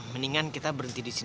meng frameworknya kok sih